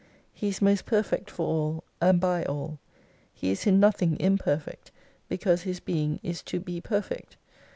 He is most perfect for all and by all. He is in nothing imperfect, because His Being is to be pei fect.